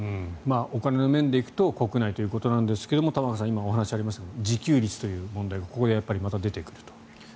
お金の面でいくと国内ということですが玉川さん、今お話にありましたが自給率という話になってくる。